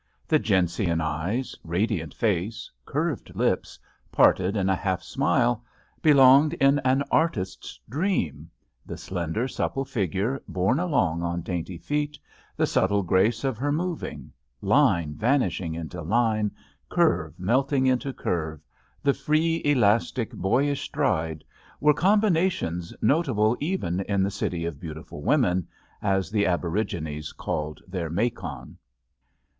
The gentian eyes, radiant face, curved lips parted in a half smile, belonged in an artist's dream; the slender, supple figure borne along on dainty feet, the subtle grace of her moving, line vanishing into line, curve melting into curve, the free, elastic, boyish stride, were combinations notable even in The City of Beautiful Women, as the aborigines call their Macon.